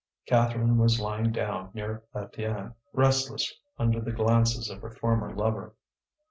Catherine was lying down near Étienne, restless under the glances of her former lover.